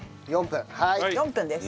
４分です。